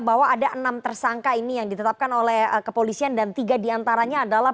bahwa ada enam tersangka ini yang ditetapkan oleh kepolisian dan tiga diantaranya adalah